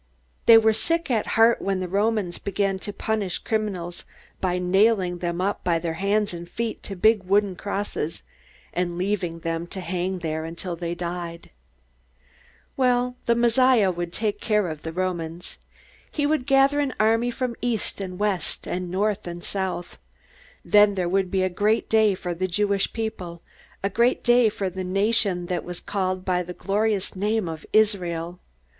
They were sick at heart when the Romans began to punish criminals by nailing them up by their hands and feet to big wooden crosses, and leaving them to hang there until they died. Well, the Messiah would take care of the Romans. He would gather an army from east and west and north and south. Then there would be a great day for the Jewish people, a great day for the nation that was called by the glorious name of Israel!